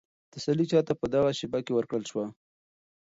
تسلي چا ته په دغه شېبه کې ورکړل شوه؟